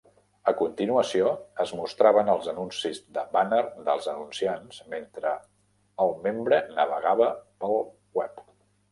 A continuació, es mostraven els anuncis de bàner dels anunciants mentre el membre navegava pel web.